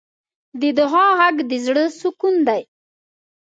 د دعا غږ د زړۀ سکون دی.